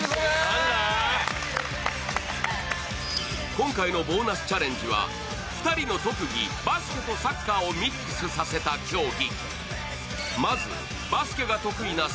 今回のボーナスチャレンジは、２人の特技、バスケとサッカーをミックスさせた競技。